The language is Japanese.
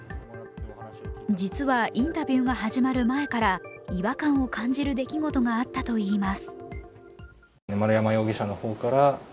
実は、インタビューが始まる前から違和感を感じる出来事があったといいます。